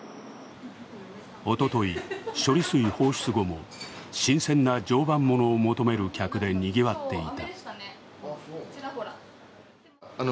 おととい、処理水放出後も新鮮な常磐ものを求める客でにぎわっていた。